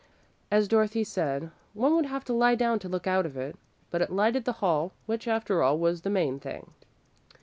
As Dorothy said, "one would have to lie down to look out of it," but it lighted the hall, which, after all, was the main thing.